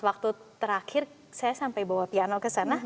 waktu terakhir saya sampai bawa piano ke sana